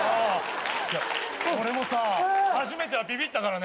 いや俺もさ初めてはビビったからね。